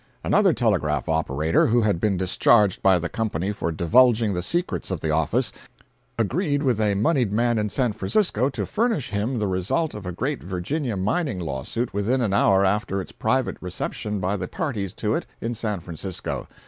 Another telegraph operator who had been discharged by the company for divulging the secrets of the office, agreed with a moneyed man in San Francisco to furnish him the result of a great Virginia mining lawsuit within an hour after its private reception by the parties to it in San Francisco.